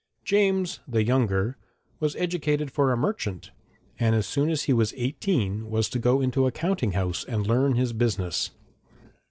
James, the younger, was educated for a merchant, and as soon as he was eighteen was to go into a counting house and learn his business.